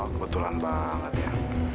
kebetulan banget ya